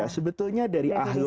sebetulnya dari ahlul